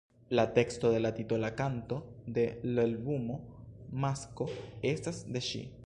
La teksto de la titola kanto de l‘ albumo „Masko“ estas de ŝi.